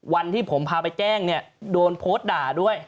วันที่ผมพาไปแจ้งเนี่ยโดนโพสต์ด่าด้วย